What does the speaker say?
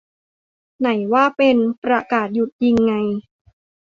ไหนว่าเป็น "ประกาศหยุดยิง" ไง